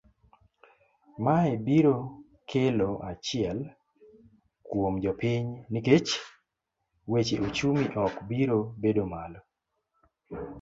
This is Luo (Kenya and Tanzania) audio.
Mae biro kelo achiel, kuom jopiny nikech weche uchumi ok biro bedo malo.